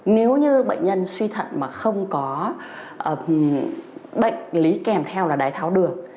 nếu như bệnh nhân suy thận mà không có bệnh lý kèm theo là đái tháo đường